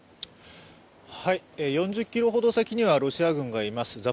４０ｋｍほど先にはロシア軍がいます